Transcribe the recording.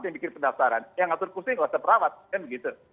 yang bikin pendaftaran yang ngatur kursi nggak usah perawat kan gitu